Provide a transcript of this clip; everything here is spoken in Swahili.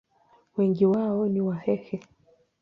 Wengi wao ni Wahehe.